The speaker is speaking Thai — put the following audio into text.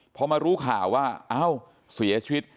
พอมารู้ข่าวว่าเอ้าเสียชีวิต